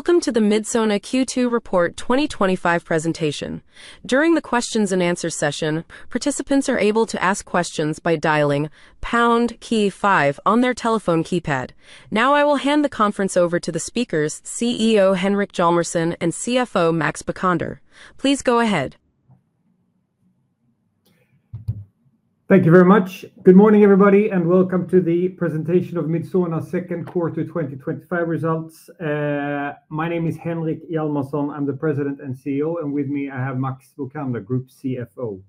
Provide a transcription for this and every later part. Welcome to the Midsona Q2 Report 2025 presentation. During the questions and answers session, participants are able to ask questions by dialing *KEY-5 on their telephone keypad. Now, I will hand the conference over to the speakers, CEO Henrik Hjalmarsson and CFO Max Bokander. Please go ahead. Thank you very much. Good morning, everybody, and welcome to the presentation of Midsona's second quarter 2025 results. My name is Henrik Hjalmarsson. I'm the President and CEO, and with me, I have Max Bokander, Group CFO.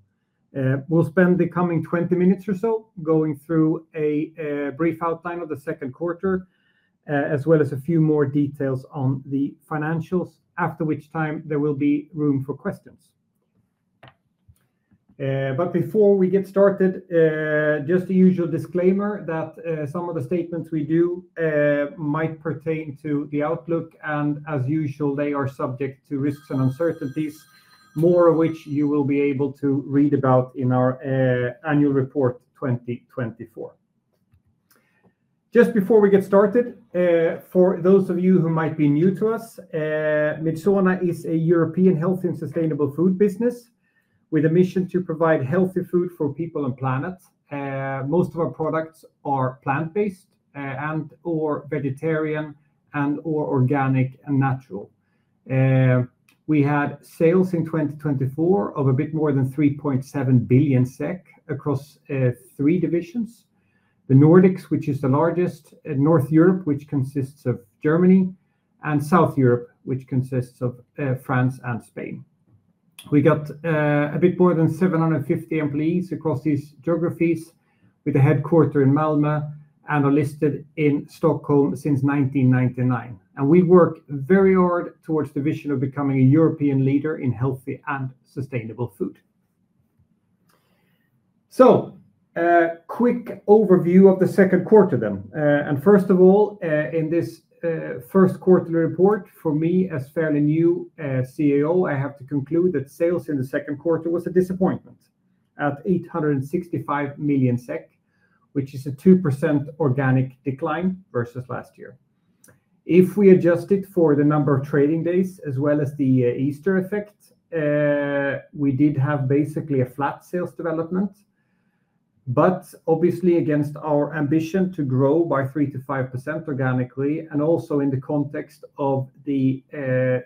We'll spend the coming 20 minutes or so going through a brief outline of the second quarter, as well as a few more details on the financials, after which time there will be room for questions. Before we get started, just the usual disclaimer that some of the statements we do might pertain to the outlook, and as usual, they are subject to risks and uncertainties, more of which you will be able to read about in our annual report 2024. Just before we get started, for those of you who might be new to us, Midsona is a European healthy and sustainable food business with a mission to provide healthy food for people and planet. Most of our products are plant-based and/or vegetarian and/or organic and natural. We had sales in 2024 of a bit more than 3.7 billion SEK across three divisions: the Nordics, which is the largest, North Europe, which consists of Germany, and South Europe, which consists of France and Spain. We got a bit more than 750 employees across these geographies, with a headquarter in Malmö and are listed in Stockholm since 1999. We work very hard towards the vision of becoming a European leader in healthy and sustainable food. A quick overview of the second quarter then. First of all, in this first quarterly report, for me as fairly new CEO, I have to conclude that sales in the second quarter was a disappointment at 865 million SEK, which is a 2% organic decline versus last year. If we adjusted for the number of trading days, as well as the Easter effect, we did have basically a flat sales development. Obviously, against our ambition to grow by 3%-5% organically, and also in the context of the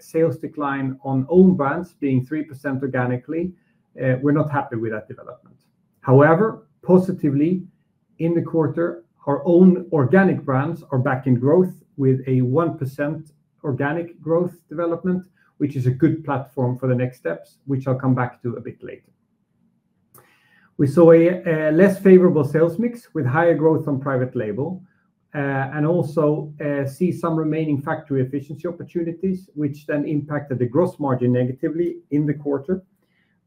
sales decline on own brands being 3% organically, we're not happy with that development. However, positively in the quarter, our own organic brands are back in growth with a 1% organic growth development, which is a good platform for the next steps, which I'll come back to a bit later. We saw a less favorable sales mix with higher growth on private label, and also see some remaining factory efficiency opportunities, which then impacted the gross margin negatively in the quarter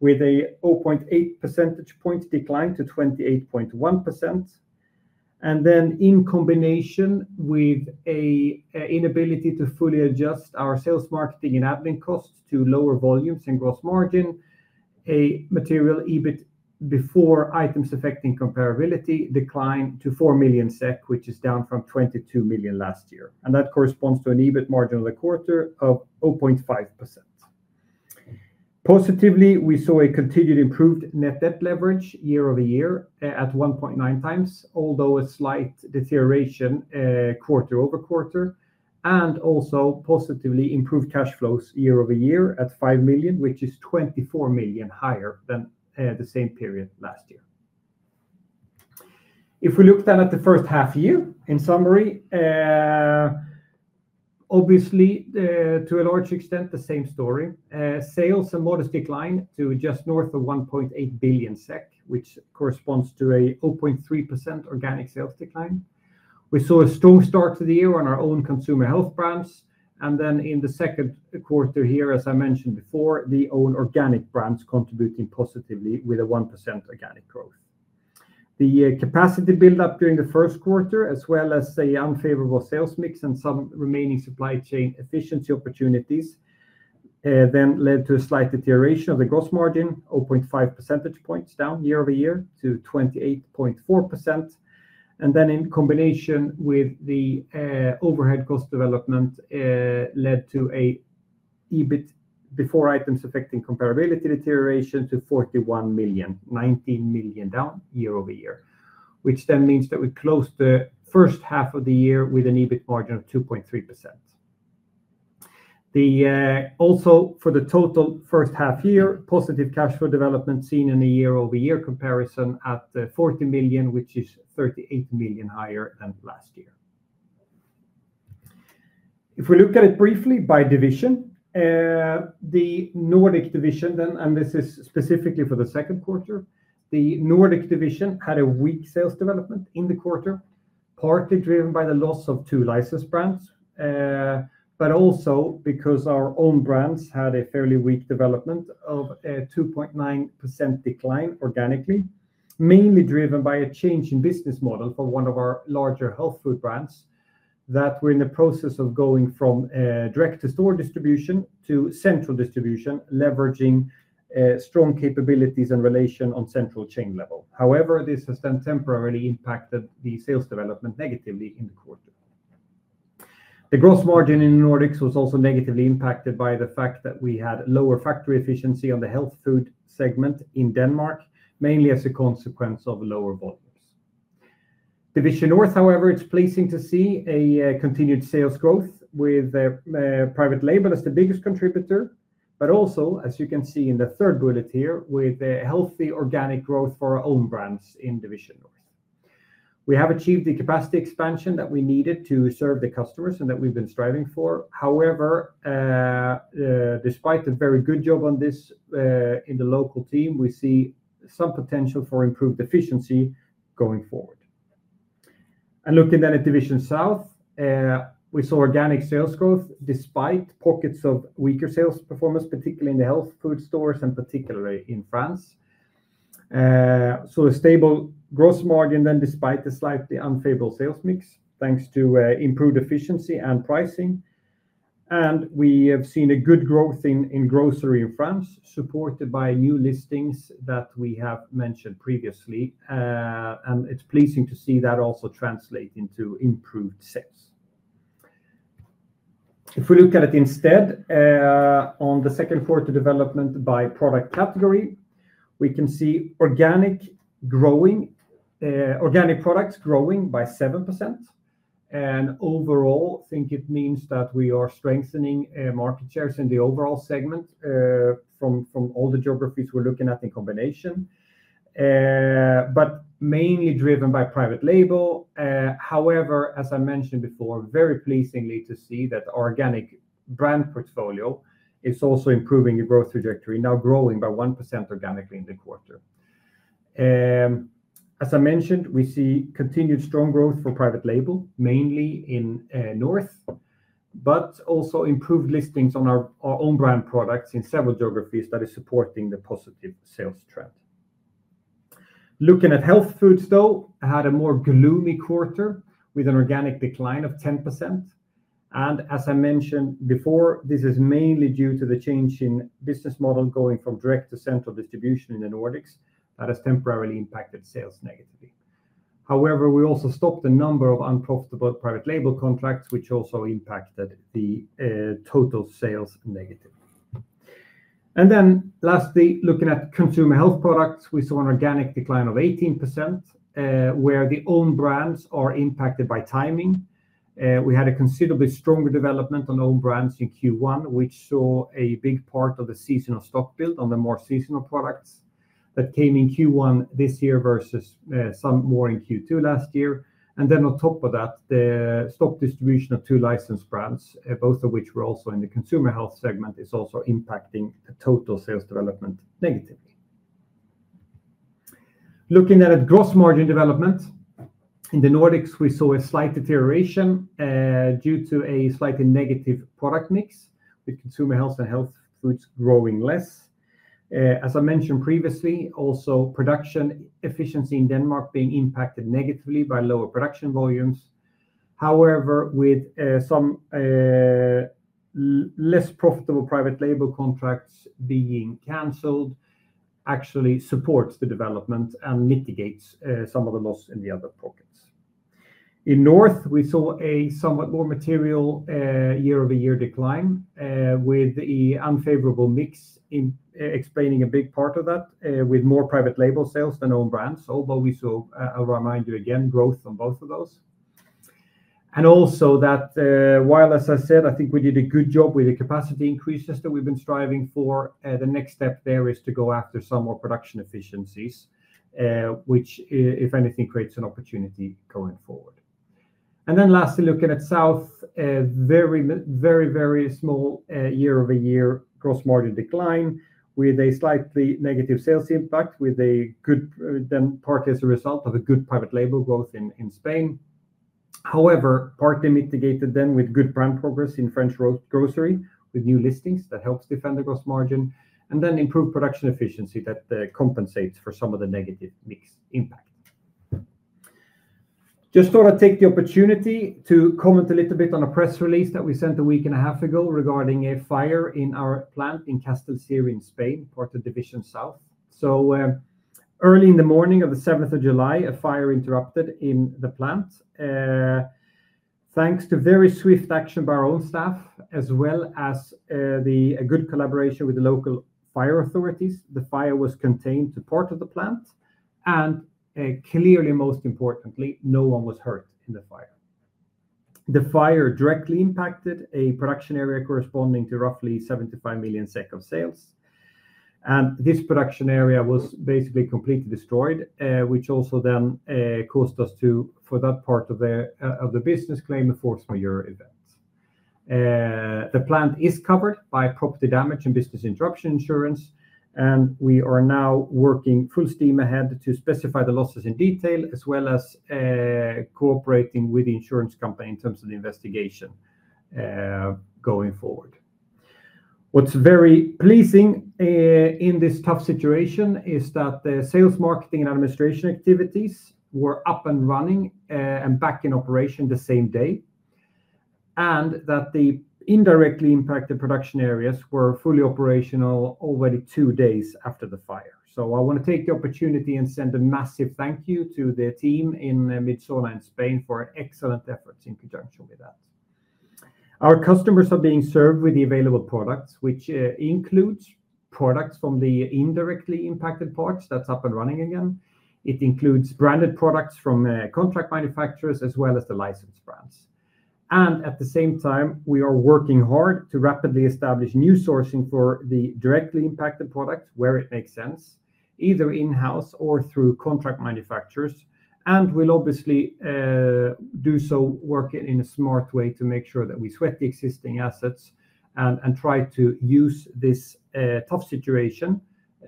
with a 0.8% decline to 28.1%. In combination with an inability to fully adjust our sales, marketing, and admin costs to lower volumes and gross margin, a material EBIT before items affecting comparability declined to 4 million SEK, which is down from 22 million last year. That corresponds to an EBIT margin for the quarter of 0.5%. Positively, we saw a continued improved net debt leverage year over year at 1.9x, although a slight deterioration quarter over quarter. Also, positively improved cash flows year over year at 5 million, which is 24 million higher than the same period last year. If we look at the first half year, in summary, obviously, to a large extent, the same story. Sales modestly climbed to just north of 1.8 billion SEK, which corresponds to a 0.3% organic sales decline. We saw a strong start to the year on our own consumer health brands. In the second quarter here, as I mentioned before, the own organic brands contributed positively with 1% organic growth. The capacity buildup during the first quarter, as well as the unfavorable sales mix and some remaining supply chain efficiency opportunities, then led to a slight deterioration of the gross margin, 0.5 percentage points down year over year to 28.4%. In combination with the overhead cost development, this led to an EBIT before items affecting comparability deterioration to 41 million, 19 million down year over year, which then means that we closed the first half of the year with an EBIT margin of 2.3%. Also, for the total first half year, positive cash flow development was seen in a year-over-year comparison at 40 million, which is 38 million higher than last year. If we look at it briefly by division, the Nordic division, specifically for the second quarter, had a weak sales development in the quarter, partly driven by the loss of two licensed brands, but also because our own brands had a fairly weak development of a 2.9% decline organically, mainly driven by a change in business model for one of our larger health food brands that we're in the process of going from direct-to-store distribution to central distribution, leveraging strong capabilities and relation on central chain level. However, this has temporarily impacted the sales development negatively in the quarter. The gross margin in the Nordics was also negatively impacted by the fact that we had lower factory efficiency on the health food segment in Denmark, mainly as a consequence of a lower volume. Division North, however, it's pleasing to see a continued sales growth with private label as the biggest contributor, but also, as you can see in the third bullet here, with healthy organic growth for our own brands in Division North. We have achieved the capacity expansion that we needed to serve the customers and that we've been striving for. However, despite a very good job on this in the local team, we see some potential for improved efficiency going forward. Looking then at Division South, we saw organic sales growth despite pockets of weaker sales performance, particularly in the health food stores and particularly in France. A stable gross margin then, despite a slightly unfavorable sales mix, thanks to improved efficiency and pricing. We have seen a good growth in grocery in France, supported by new listings that we have mentioned previously. It's pleasing to see that also translate into improved sales. If we look at it instead on the second quarter development by product category, we can see organic products growing by 7%. Overall, I think it means that we are strengthening market shares in the overall segment from all the geographies we're looking at in combination, but mainly driven by private label. However, as I mentioned before, very pleasingly to see that the organic brand portfolio is also improving the growth trajectory, now growing by 1% organically in the quarter. As I mentioned, we see continued strong growth for private label, mainly in North, but also improved listings on our own brand products in several geographies that are supporting the positive sales trend. Looking at health foods, though, had a more gloomy quarter with an organic decline of 10%. As I mentioned before, this is mainly due to the change in business model going from direct to central distribution in the Nordics that has temporarily impacted sales negatively. We also stopped the number of unprofitable private label contracts, which also impacted the total sales negatively. Lastly, looking at consumer health products, we saw an organic decline of 18%, where the own brands are impacted by timing. We had a considerably stronger development on own brands in Q1, which saw a big part of the seasonal stock build on the more seasonal products that came in Q1 this year versus some more in Q2 last year. On top of that, the stock distribution of two licensed brands, both of which were also in the consumer health segment, is also impacting the total sales development negatively. Looking at gross margin development in the Nordics, we saw a slight deterioration due to a slightly negative product mix with consumer health and health goods growing less. As I mentioned previously, also production efficiency in Denmark being impacted negatively by lower production volumes. However, with some less profitable private label contracts being canceled, actually supports the development and mitigates some of the loss in the other pockets. In North, we saw a somewhat more material year-over-year decline with the unfavorable mix explaining a big part of that with more private label sales than own brands. Although we saw, I'll remind you again, growth on both of those. Also, while as I said, I think we did a good job with the capacity increases that we've been striving for, the next step there is to go after some more production efficiencies, which if anything creates an opportunity going forward. Lastly, looking at South, a very, very, very small year-over-year gross margin decline with a slightly negative sales impact, with a good then partly as a result of a good private label growth in Spain. However, partly mitigated then with good brand progress in French grocery, with new listings that helps defend the gross margin, and then improved production efficiency that compensates for some of the negative mix impact. I thought I'd take the opportunity to comment a little bit on a press release that we sent a week and a half ago regarding a fire in our plant in Castelserás in Spain, part of Division South. Early in the morning of the 7th of July, a fire interrupted in the plant. Thanks to very swift action by our own staff, as well as a good collaboration with the local fire authorities, the fire was contained to part of the plant. Most importantly, no one was hurt in the fire. The fire directly impacted a production area corresponding to roughly 75 million SEK of sales. This production area was basically completely destroyed, which also then caused us to, for that part of the business, claim a force majeure event. The plant is covered by property damage and business interruption insurance. We are now working full steam ahead to specify the losses in detail, as well as cooperating with the insurance company in terms of the investigation going forward. What's very pleasing in this tough situation is that the sales, marketing, and administration activities were up and running and back in operation the same day, and that the indirectly impacted production areas were fully operational already two days after the fire. I want to take the opportunity and send a massive thank you to the team in Midsona in Spain for excellent efforts in conjunction with that. Our customers are being served with the available products, which includes products from the indirectly impacted parts that's up and running again. It includes branded products from contract manufacturers, as well as the licensed brands. At the same time, we are working hard to rapidly establish new sourcing for the directly impacted products where it makes sense, either in-house or through contract manufacturers. We will obviously do so working in a smart way to make sure that we sweat the existing assets and try to use this tough situation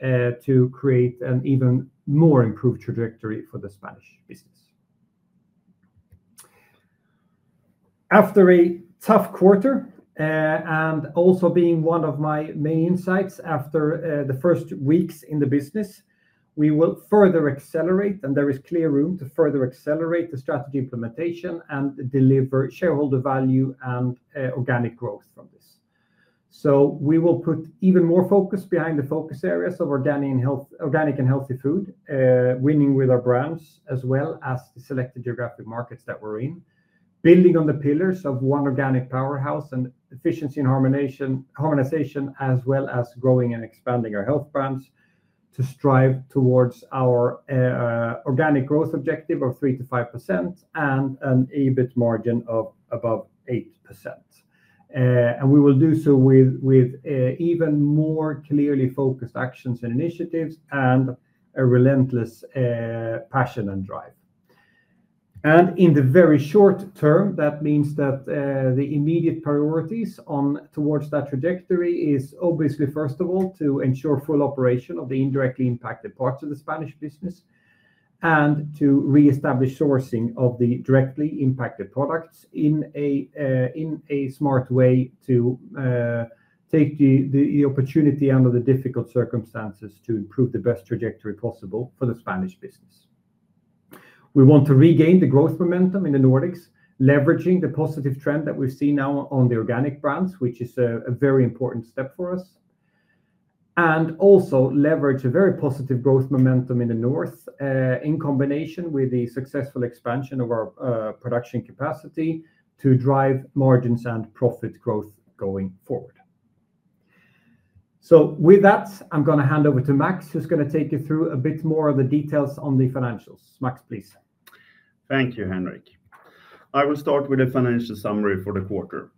to create an even more improved trajectory for the Spanish business. After a tough quarter, and also being one of my main insights after the first weeks in the business, we will further accelerate, and there is clear room to further accelerate the strategy implementation and deliver shareholder value and organic growth from this. We will put even more focus behind the focus areas of organic and healthy food, winning with our brands, as well as selected geographic markets that we're in, building on the pillars of one organic powerhouse and efficiency and harmonization, as well as growing and expanding our health brands to strive towards our organic growth objective of 3%-5% and an EBIT margin of above 8%. We will do so with even more clearly focused actions and initiatives and a relentless passion and drive. In the very short term, that means that the immediate priorities towards that trajectory is obviously, first of all, to ensure full operation of the indirectly impacted parts of the Spanish business and to reestablish sourcing of the directly impacted products in a smart way to take the opportunity under the difficult circumstances to improve the best trajectory possible for the Spanish business. We want to regain the growth momentum in the Nordics, leveraging the positive trend that we've seen now on the organic brands, which is a very important step for us. We also leverage a very positive growth momentum in the North in combination with the successful expansion of our production capacity to drive margins and profit growth going forward. With that, I'm going to hand over to Max, who's going to take you through a bit more of the details on the financials. Max, please. Thank you, Henrik. I will start with a financial summary for the quarter.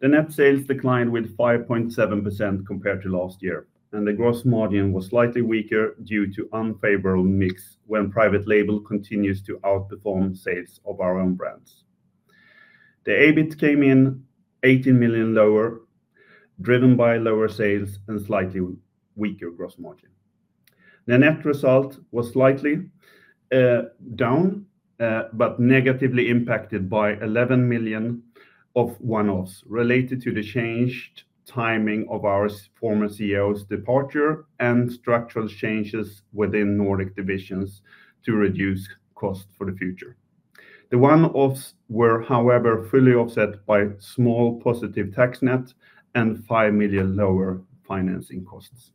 The net sales declined by 5.7% compared to last year, and the gross margin was slightly weaker due to unfavorable mix when private label continues to outperform sales of our own brands. The EBIT came in 18 million lower, driven by lower sales and slightly weaker gross margin. The net result was slightly down, but negatively impacted by 11 million of one-offs related to the changed timing of our former CEO's departure and structural changes within Nordic divisions to reduce costs for the future. The one-offs were, however, fully offset by a small positive tax net and 5 million lower financing costs.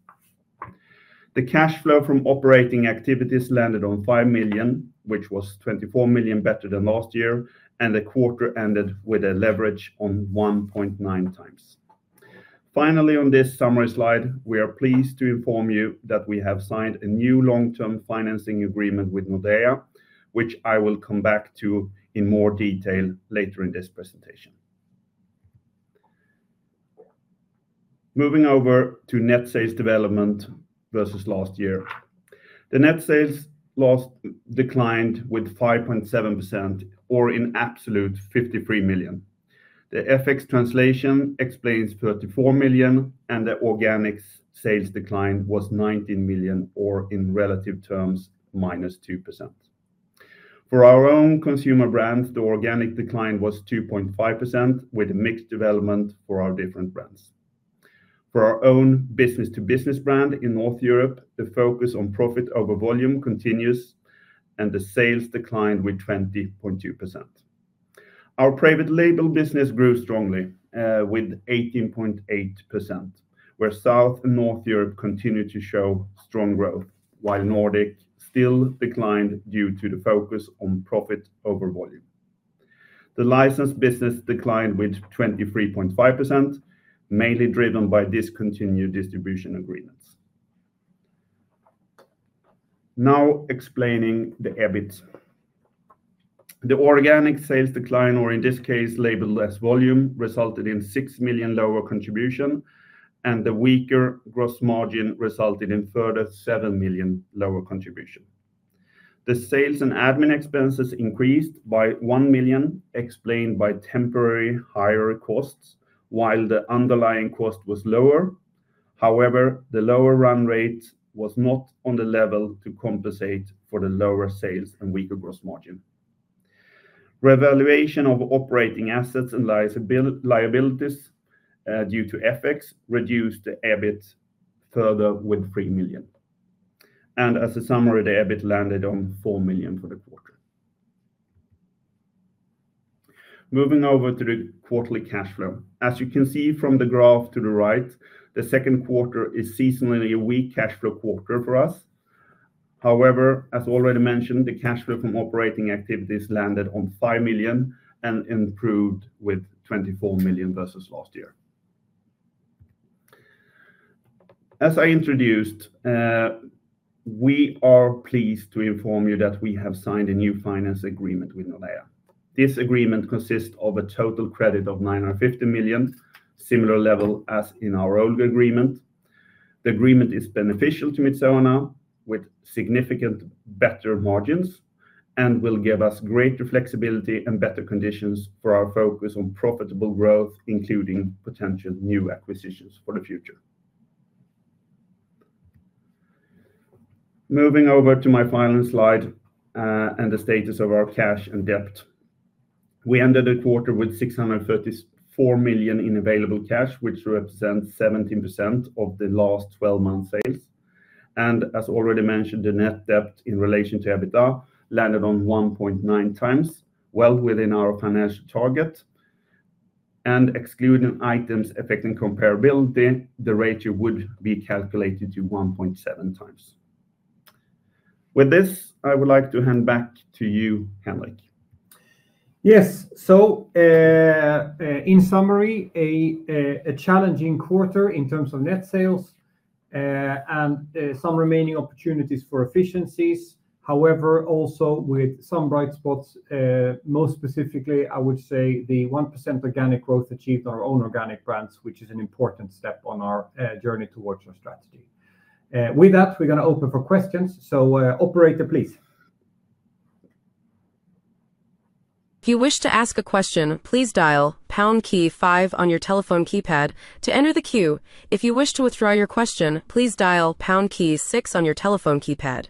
The cash flow from operating activities landed on 5 million, which was 24 million better than last year, and the quarter ended with a leverage of 1.9x. Finally, on this summary slide, we are pleased to inform you that we have signed a new long-term financing agreement with Nordea, which I will come back to in more detail later in this presentation. Moving over to net sales development versus last year, the net sales last declined by 5.7% or in absolute 53 million. The FX translation explains 34 million, and the organic sales decline was 19 million or in relative terms -2%. For our own consumer brands, the organic decline was 2.5% with a mixed development for our different brands. For our own business-to-business brand in North Europe, the focus on profit over volume continues, and the sales declined by 20.2%. Our private label business grew strongly with 18.8%, where South and North Europe continue to show strong growth, while Nordic still declined due to the focus on profit over volume. The license business declined by 23.5%, mainly driven by discontinued distribution agreements. Now explaining the EBIT. The organic sales decline, or in this case, labeled less volume, resulted in 6 million lower contribution, and the weaker gross margin resulted in a further 7 million lower contribution. The sales and admin expenses increased by 1 million, explained by temporary higher costs, while the underlying cost was lower. However, the lower run rate was not on the level to compensate for the lower sales and weaker gross margin. Revaluation of operating assets and liabilities due to FX reduced the EBIT further by 3 million. As a summary, the EBIT landed on 4 million for the quarter. Moving over to the quarterly cash flow. As you can see from the graph to the right, the second quarter is seasonally a weak cash flow quarter for us. However, as already mentioned, the cash flow from operating activities landed on 5 million and improved by 24 million versus last year. As I introduced, we are pleased to inform you that we have signed a new finance agreement with Nordea. This agreement consists of a total credit of 950 million, a similar level as in our old agreement. The agreement is beneficial to Midsona AB with significantly better margins and will give us greater flexibility and better conditions for our focus on profitable growth, including potential new acquisitions for the future. Moving over to my final slide and the status of our cash and debt. We ended the quarter with 634 million in available cash, which represents 17% of the last 12 months' sales. As already mentioned, the net debt in relation to EBITDA landed on 1.9x, well within our financial target. Excluding items affecting comparability, the ratio would be calculated to 1.7x. With this, I would like to hand back to you, Henrik. Yes, in summary, a challenging quarter in terms of net sales and some remaining opportunities for efficiencies. However, also with some bright spots, most specifically, I would say the 1% organic growth achieved in our own organic brands, which is an important step on our journey towards our strategy. With that, we are going to open for questions. Operator, please. If you wish to ask a question, please dial #KEY-5 on your telephone keypad to enter the queue. If you wish to withdraw your question, please dial #KEY-6 on your telephone keypad.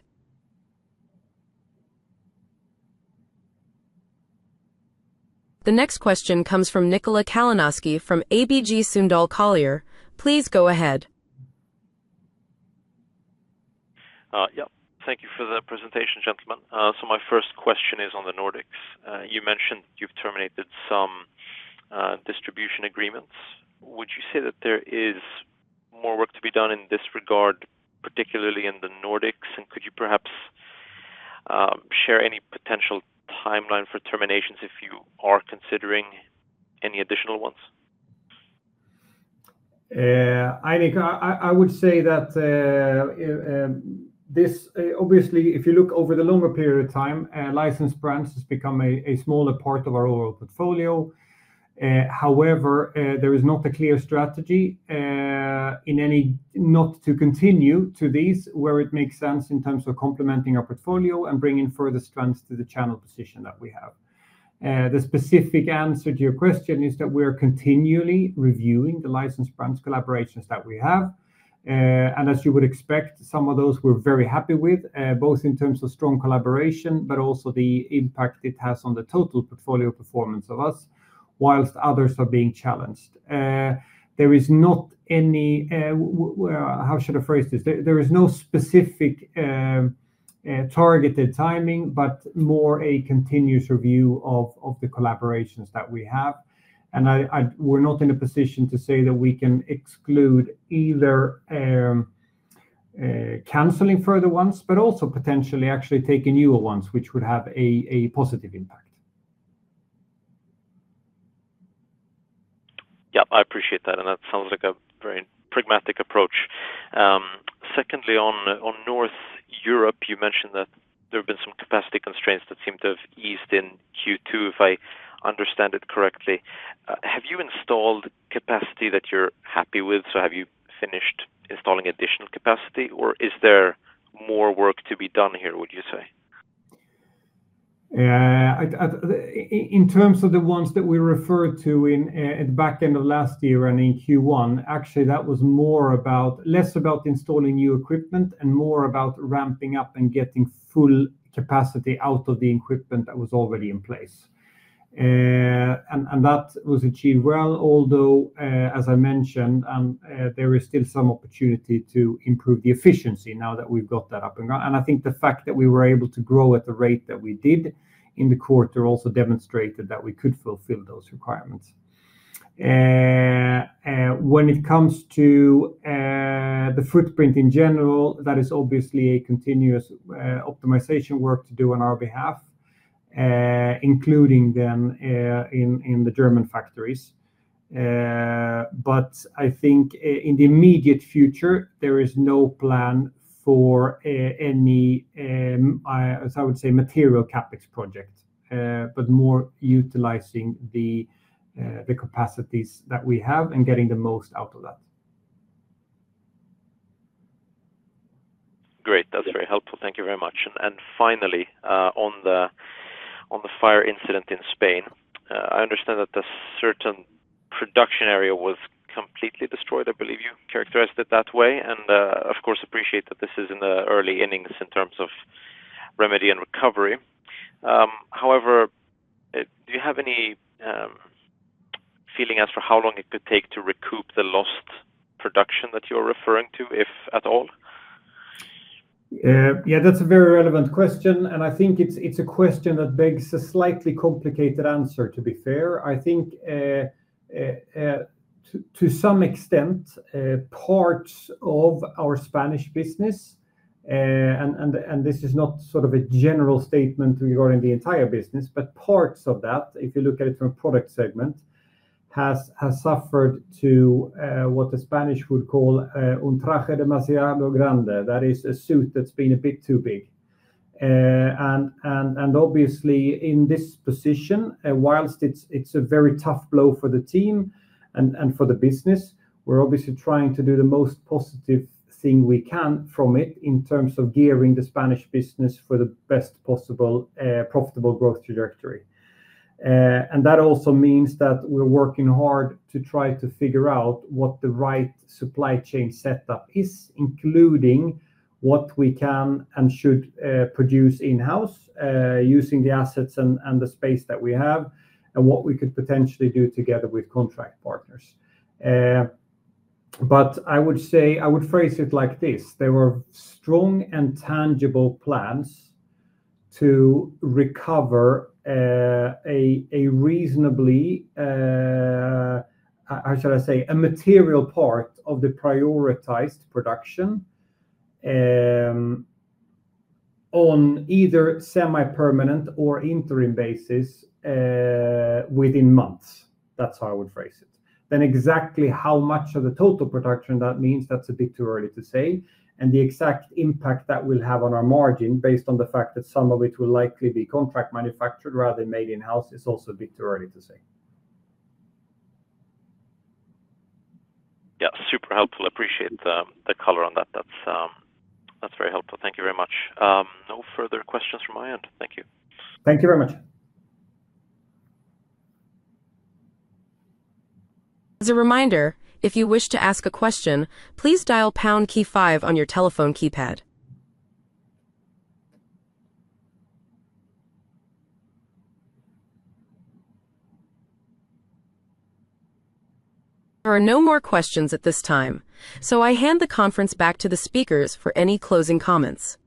The next question comes from Nikola Kalenovski from ABG Sundal Collier. Please go ahead. Thank you for the presentation, gentlemen. My first question is on the Nordics. You mentioned you've terminated some distribution agreements. Would you say that there is more work to be done in this regard, particularly in the Nordics? Could you perhaps share any potential timeline for terminations if you are considering any additional ones? I would say that this, obviously, if you look over the longer period of time, licensed brands have become a smaller part of our overall portfolio. However, there is not a clear strategy in any not to continue to these where it makes sense in terms of complementing our portfolio and bringing further strengths to the channel position that we have. The specific answer to your question is that we are continually reviewing the licensed brands collaborations that we have. As you would expect, some of those we're very happy with, both in terms of strong collaboration, but also the impact it has on the total portfolio performance of us, whilst others are being challenged. There is not any, how should I phrase this? There is no specific targeted timing, but more a continuous review of the collaborations that we have. We're not in a position to say that we can exclude either canceling further ones, but also potentially actually taking newer ones, which would have a positive impact. I appreciate that. That sounds like a very pragmatic approach. On North Europe, you mentioned that there have been some capacity constraints that seem to have eased in Q2, if I understand it correctly. Have you installed capacity that you're happy with? Have you finished installing additional capacity, or is there more work to be done here, would you say? In terms of the ones that we referred to at the back end of last year and in Q1, actually, that was less about installing new equipment and more about ramping up and getting full capacity out of the equipment that was already in place. That was achieved well, although, as I mentioned, there is still some opportunity to improve the efficiency now that we've got that up and gone. I think the fact that we were able to grow at the rate that we did in the quarter also demonstrated that we could fulfill those requirements. When it comes to the footprint in general, that is obviously a continuous optimization work to do on our behalf, including then in the German factories. I think in the immediate future, there is no plan for any, as I would say, material CapEx project, but more utilizing the capacities that we have and getting the most out of that. Great, that's very helpful. Thank you very much. Finally, on the fire incident in Spain, I understand that a certain production area was completely destroyed. I believe you characterized it that way. Of course, appreciate that this is in the early innings in terms of remedy and recovery. However, do you have any feeling as for how long it could take to recoup the lost production that you're referring to, if at all? Yeah, that's a very relevant question. I think it's a question that begs a slightly complicated answer, to be fair. I think to some extent, parts of our Spanish business, and this is not a general statement regarding the entire business, but parts of that, if you look at it from a product segment, have suffered to what the Spanish would call un traje demasiado grande. That is a suit that's been a bit too big. Obviously, in this position, whilst it's a very tough blow for the team and for the business, we're obviously trying to do the most positive thing we can from it in terms of gearing the Spanish business for the best possible profitable growth trajectory. That also means that we're working hard to try to figure out what the right supply chain setup is, including what we can and should produce in-house using the assets and the space that we have and what we could potentially do together with contract partners. I would phrase it like this. There were strong and tangible plans to recover a reasonably, how should I say, a material part of the prioritized production on either semi-permanent or interim basis within months. That's how I would phrase it. Exactly how much of the total production that means, that's a bit too early to say. The exact impact that will have on our margin based on the fact that some of it will likely be contract manufactured rather than made in-house is also a bit too early to say. Yeah, super helpful. I appreciate the color on that. That's very helpful. Thank you very much. No further questions from my end. Thank you. Thank you very much. As a reminder, if you wish to ask a question, please dial #KEY-5 on your telephone keypad. There are no more questions at this time. I hand the conference back to the speakers for any closing comments.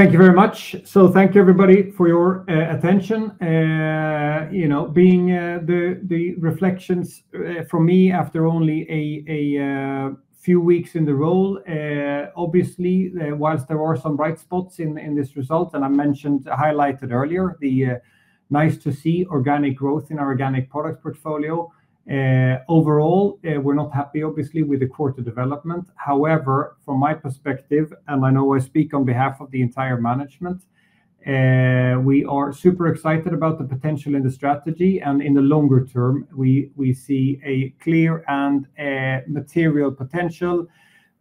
Thank you very much. Thank you, everybody, for your attention. Being the reflections from me after only a few weeks in the role, obviously, whilst there are some bright spots in this result, and I mentioned, highlighted earlier, the nice-to-see organic growth in our organic product portfolio. Overall, we're not happy, obviously, with the quarter development. However, from my perspective, and I know I speak on behalf of the entire management, we are super excited about the potential in the strategy. In the longer term, we see a clear and material potential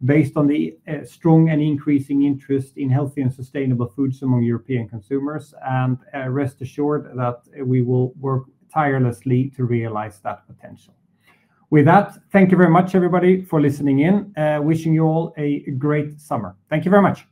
based on the strong and increasing interest in healthy and sustainable foods among European consumers. Rest assured that we will work tirelessly to realize that potential. With that, thank you very much, everybody, for listening in. Wishing you all a great summer. Thank you very much.